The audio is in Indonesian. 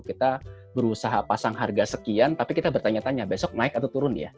kita berusaha pasang harga sekian tapi kita bertanya tanya besok naik atau turun ya